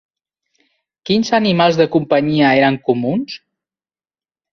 Quins animals de companyia eren comuns?